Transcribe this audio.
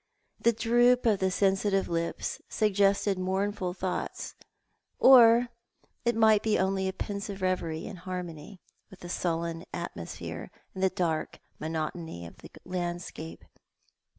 The droop of the sensitive lips suggested mournful thoughts, or it might bo only a pensive reverie in harmony with the sullen atmosphere, and the dark monotony of the landscape.